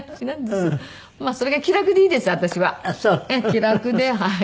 気楽ではい。